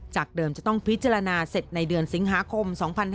เดิมจะต้องพิจารณาเสร็จในเดือนสิงหาคม๒๕๕๙